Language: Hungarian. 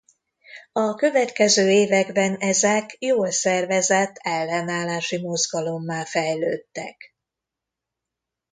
A következő években ezek jól szervezett ellenállási mozgalommá fejlődtek.